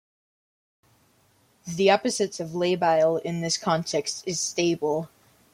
The opposite of labile in this context is "stable".